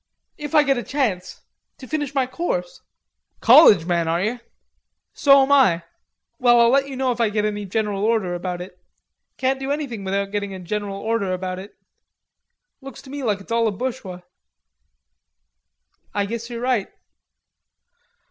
"If I get a chance. To finish my course." "College man, are ye? So am I. Well, I'll let you know if I get any general order about it. Can't do anything without getting a general order about it. Looks to me like it's all bushwa." "I guess you're right."